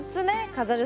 飾る